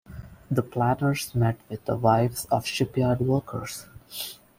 The planners met with the wives of shipyard workers.